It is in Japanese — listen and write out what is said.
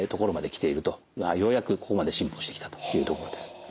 ようやくここまで進歩してきたというところです。